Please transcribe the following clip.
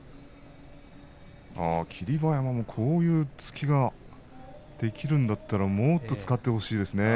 霧馬山もこういう突きができるんだったらもっと使ってほしいですね。